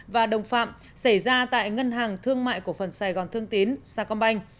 và đồng phạm xảy ra tại ngân hàng thương mại cổ phần sài gòn thương tín sa công banh